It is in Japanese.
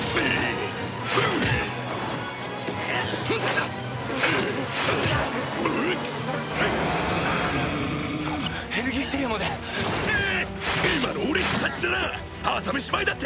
えっ！